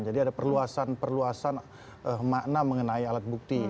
jadi ada perluasan perluasan makna mengenai alat bukti